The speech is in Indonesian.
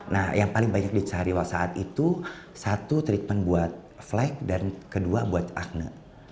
nah yang paling banyak dicari saat itu satu treatment buat flag dan kedua buat akne